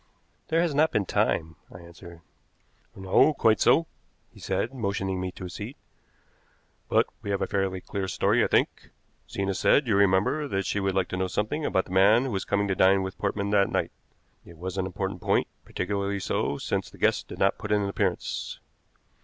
"There has not been time," I answered. "No, quite so," he said, motioning me to a seat. "But we have a fairly clear story, I think. Zena said, you remember, that she would like to know something about the man who was coming to dine with Portman that night. It was an important point, particularly so since the guest did not put in an appearance.